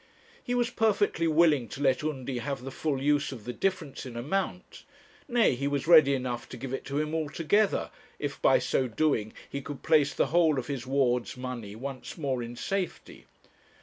He was perfectly willing to let Undy have the full use of the difference in amount; nay, he was ready enough to give it to him altogether, if by so doing he could place the whole of his ward's money once more in safety.